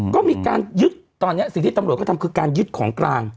ก็มีการยึดตอนนี้สิ่งที่ตำรวจก็ทำคือการยึดของกลาง